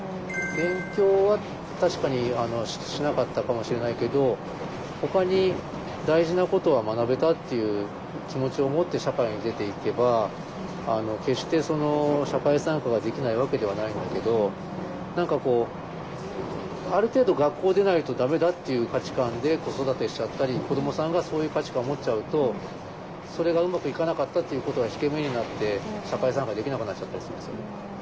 勉強は確かにしなかったかもしれないけどほかに大事なことは学べたっていう気持ちを持って社会に出ていけば決して社会参加ができないわけではないんだけど何かこうある程度学校を出ないと駄目だっていう価値観で子育てしちゃったり子どもさんがそういう価値観を持っちゃうとそれがうまくいかなかったっていうことが引け目になって社会参加できなくなっちゃったりするんですよね。